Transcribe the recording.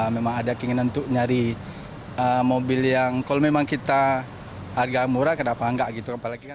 memang ada keinginan untuk nyari mobil yang kalau memang kita harga murah kenapa enggak gitu apalagi kan